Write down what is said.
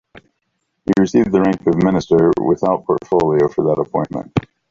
He received the rank of Minister without portfolio for that appointment.